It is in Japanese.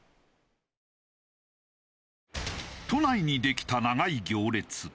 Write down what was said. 都内にできた長い行列。